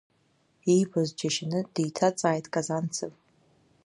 Иибоз џьашьаны деиҭаҵааит Казанцев.